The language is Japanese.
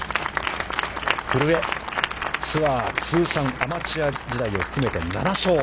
古江、ツアー通算、アマチュア時代を含めて、７勝。